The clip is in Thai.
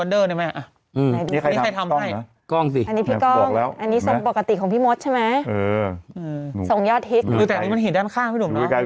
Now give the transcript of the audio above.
เออนะครับพี่อีบ้าอีบ้า